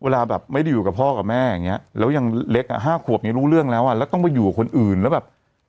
แล้วยังเล็กอ่ะ๕ถัวมีลูกเรื่องแล้วอ่ะแล้วต้องไปอยู่กับคนอื่นแล้วแบบ